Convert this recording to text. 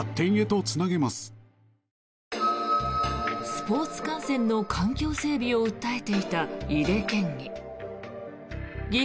スポーツ観戦の環境整備を訴えていた井手県議。